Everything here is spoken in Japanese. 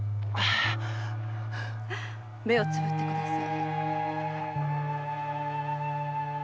目をつむってください。